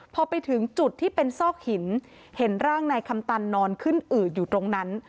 พอไปถึงจุดที่เป็นซอกหินเห็นร่างนายคำตันนอนขึ้นอืดอยู่ตรงนั้น